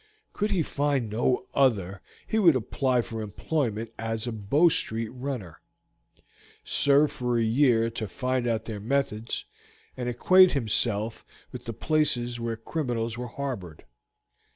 Could he find no other he would apply for employment as a Bow Street runner, serve for a year to find out their methods, and acquaint himself with the places where criminals were harbored.